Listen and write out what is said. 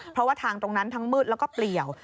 เพราะว่าทางตรงนั้นทั้งมืดแล้วก็เปลี่ยว